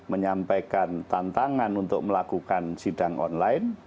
menyampaikan tantangan untuk melakukan sidang online